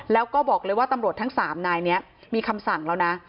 แล้วก็บอกเลยว่าตำรวจทั้ง๓นายนี้มีคำสั่งแล้วนะ